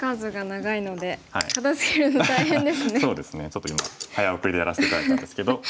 ちょっと今早送りでやらせて頂いたんですけど。